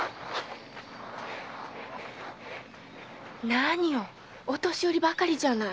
何よお年寄りばかりじゃない。